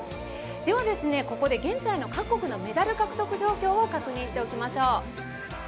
では、ここで現在の各国のメダル獲得状況を確認しておきましょう。